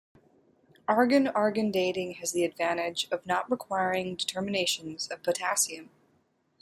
Argon-argon dating has the advantage of not requiring determinations of potassium.